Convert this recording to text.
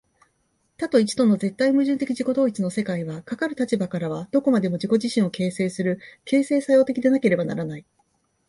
多と一との絶対矛盾的自己同一の世界は、かかる立場からはどこまでも自己自身を形成する、形成作用的でなければならない。